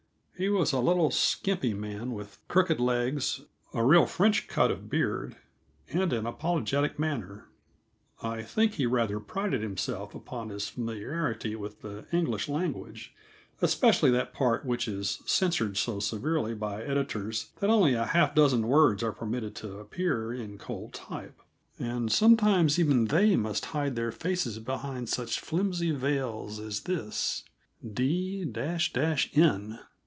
He was a little skimpy man with crooked legs, a real French cut of beard, and an apologetic manner. I think he rather prided himself upon his familiarity with the English language especially that part which is censored so severely by editors that only a half dozen words are permitted to appear in cold type, and sometimes even they must hide their faces behind such flimsy veils as this: d n.